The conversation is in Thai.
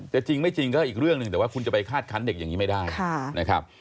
จริงไม่จริงก็อีกเรื่องหนึ่งแต่ว่าคุณจะไปคาดคันเด็กอย่างนี้ไม่ได้นะครับ